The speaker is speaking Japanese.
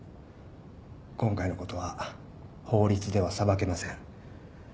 今回のことは法律では裁けません。